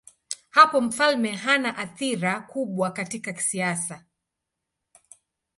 Hapo mfalme hana athira kubwa katika siasa.